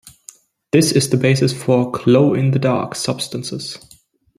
This is the basis for "glow in the dark" substances.